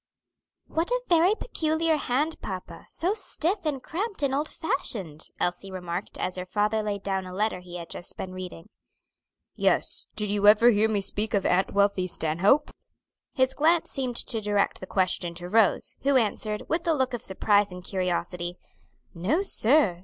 "What a very peculiar hand, papa; so stiff and cramped and old fashioned," Elsie remarked, as her father laid down a letter he had just been reading. "Yes. Did you ever hear me speak of Aunt Wealthy Stanhope?" His glance seemed to direct the question to Rose, who answered, with a look of surprise and curiosity, "No, sir.